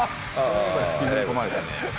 引きずり込まれたね。